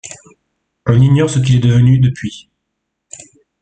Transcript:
On ignore ce qu'il est devenu depuis.